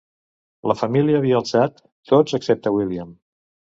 La família havia alçat, tots excepte William.